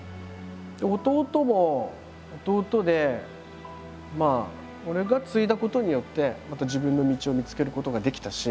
弟も弟で俺が継いだことによってまた自分の道を見つけることができたし。